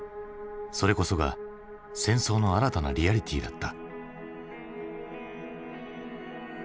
それこそが戦争の新たなリアリティーだった。